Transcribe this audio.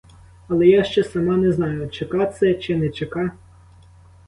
Але я ще сама не знаю, чека це чи не чека.